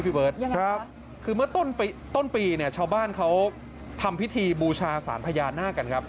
พี่เบิร์ตยังไงครับคือเมื่อต้นปีต้นปีเนี่ยชาวบ้านเขาทำพิธีบูชาสารพญานาคกันครับ